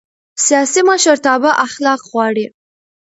سیاسي مشرتابه اخلاق غواړي